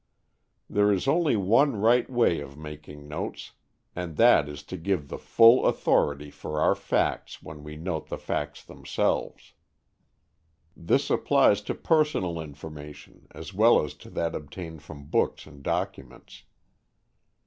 There is only one right way of making notes, and that is to give the full authority for our facts when we note the facts themselves. This applies to personal information, as well as to that obtained from books and documents.